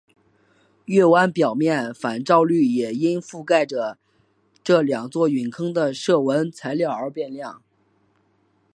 月湾表面反照率也因覆盖着这两座陨坑的射纹材料而变亮。